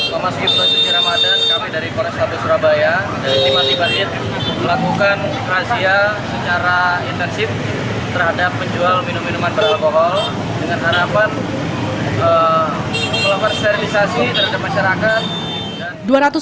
pemaskipan suci ramadan kami dari polrestabes surabaya dan timat timatnya melakukan razia secara intensif terhadap penjual minuman minuman beralkohol dengan harapan melakukan sterilisasi terhadap masyarakat